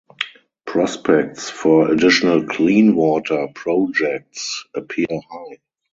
Prospects for additional clean water projects appear high.